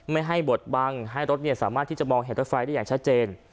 ไม่ให้บดบังให้รถสามารถที่จะมองเห็นรถไฟได้อย่างชัดเจน